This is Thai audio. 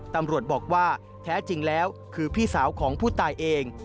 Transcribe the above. ตำรวจบอกว่าแท้จริงแล้วคือพี่สาวของผู้ตายเอง